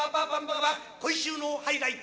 今週のハイライト。